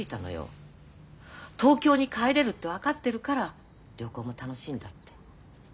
東京に帰れるって分かってるから旅行も楽しいんだって。